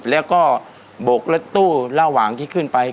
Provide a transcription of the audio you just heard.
แล้วก็บกรถตู้ระหว่างที่ขึ้นไป